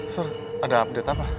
sur ada update apa